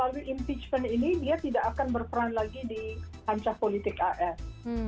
bahwa melalui impeachment ini dia tidak akan berperan lagi di pancah politik as